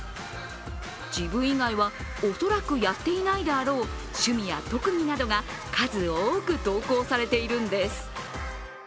自分以外は恐らくやっていないであろう趣味や特技などが数多く投稿されているんです。